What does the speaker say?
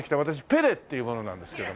ペレっていう者なんですけど。